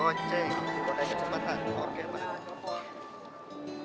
gue naikin cepetan